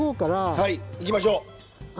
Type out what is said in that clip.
はいいきましょう。